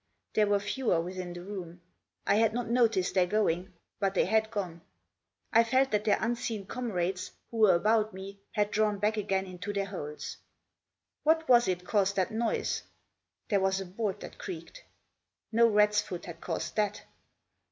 There were fewer within the room ; I had not noticed their going, but they had gone. I felt that their unseen comrades, who were about me, had drawn back again into their holes. What was it caused that noise ? There was a board that creaked. No rat's foot had caused that.